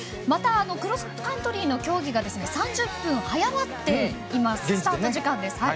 また、クロスカントリー競技が３０分早まって今、スタート時間です。